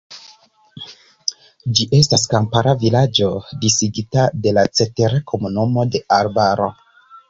Ĝi estas kampara vilaĝo disigita de la cetera komunumo de arbaro.